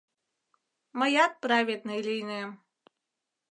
Мыят праведный лийнем.